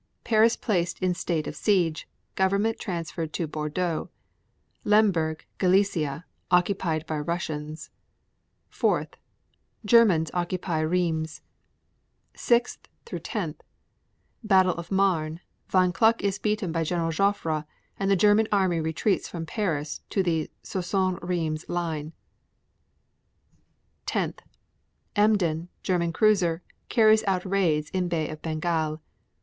Paris placed in state of siege; government transferred to Bordeaux. 3. Lemberg, Gallicia, occupied by Russians. 4. Germans occupy Rheims. 6 10. Battle of Marne. Von Kluck is beaten by Gen. Joffre, and the German army retreats from Paris to the Soissons Rheims line. 10. Emden, German cruiser, carries out raids in Bay of Bengal.